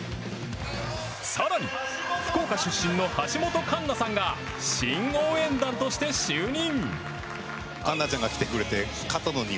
更に福岡出身の橋本環奈さんが新応援団として就任。